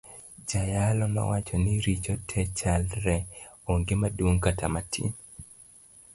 Jayalo nowacho ni richo te chalre onge maduong kata matin.